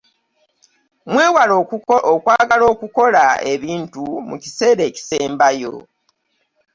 Mwewale okwagala okukola ebintu mu kiseera ekisembayo